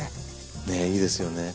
ねいいですよね。